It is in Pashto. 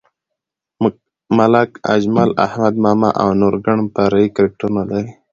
ملک اجمل، احمد ماما او نور ګڼ فرعي کرکټرونه لري.